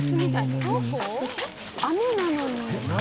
雨なのに。